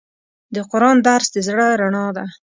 د قرآن درس د زړه رڼا ده.